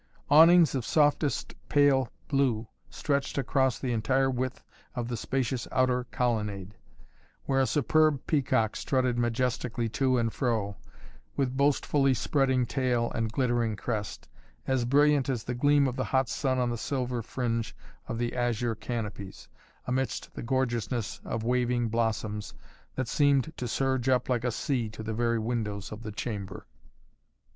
Awnings of softest pale blue stretched across the entire width of the spacious outer colonnade, where a superb peacock strutted majestically to and fro, with boastfully spreading tail and glittering crest, as brilliant as the gleam of the hot sun on the silver fringe of the azure canopies, amidst the gorgeousness of waving blossoms that seemed to surge up like a sea to the very windows of the chamber.